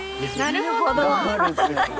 なるほど！